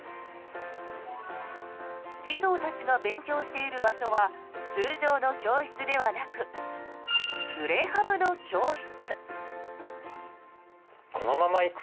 児童たちが勉強している場所は通常の教室ではなくプレハブの教室。